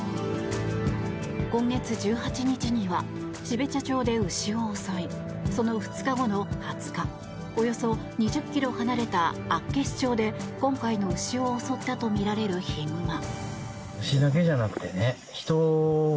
今月１８日には標茶町で牛を襲いその２日後の２０日およそ２０ｋｍ離れた厚岸町で今回の牛を襲ったとみられるヒグマ。